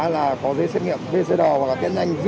mà chở xe máy điện đi giao cho đại lý